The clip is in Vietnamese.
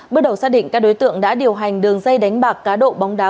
bước đầu xác định các đối tượng đã điều hành đường dây đánh bạc cá độ bóng đá